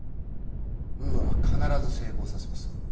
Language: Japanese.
ウーアは必ず成功させます。